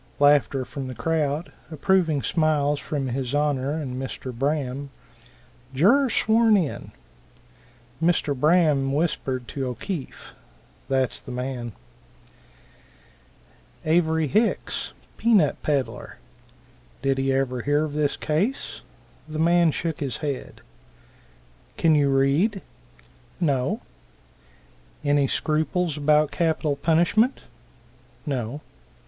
(Laughter from the crowd, approving smiles from his Honor and Mr. Braham.) Juror sworn in. Mr. Braham whispered to O'Keefe, "that's the man." Avery Hicks, pea nut peddler. Did he ever hear of this case? The man shook his head. "Can you read?" "No." "Any scruples about capital punishment?" "No."